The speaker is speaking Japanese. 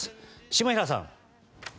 下平さん！